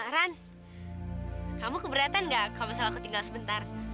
ran kamu keberatan gak kalau misalnya aku tinggal sebentar